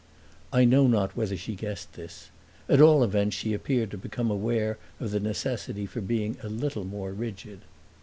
I know not whether she guessed this; at all events she appeared to become aware of the necessity for being a little more rigid.